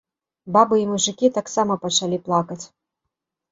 Бабы і мужыкі таксама пачалі плакаць.